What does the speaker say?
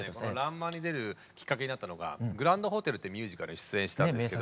「らんまん」に出るきっかけになったのが「グランドホテル」ってミュージカルに出演したんですけど。